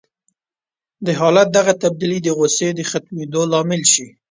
د حالت دغه تبديلي د غوسې د ختمېدو لامل شي.